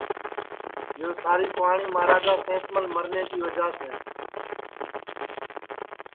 یو ساری کُہانی مہاراجا سینس مل مرنے کی وجعہ سے ہے